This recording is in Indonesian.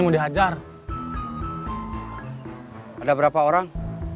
kamu mau jalan salam what